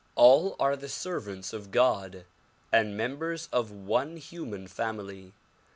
All are the servants of God and members of one human family.